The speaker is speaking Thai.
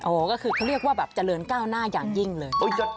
ก็คือเขาเรียกว่าแบบเจริญก้าวหน้าอย่างยิ่งเลย